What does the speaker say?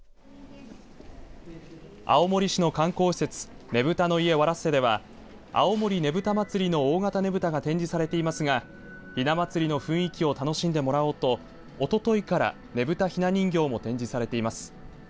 青森市の観光施設ねぶたの家ワ・ラッセでは青森ねぶた祭の大型ねぶたが展示されていますがひな祭りの雰囲気を楽しんでもらおうとおとといからねぶたひな人形も展示されています。